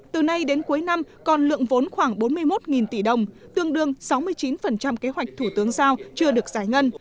từ nay đến cuối năm còn lượng vốn khoảng bốn mươi một tỷ đồng tương đương sáu mươi chín kế hoạch thủ tướng giao chưa được giải ngân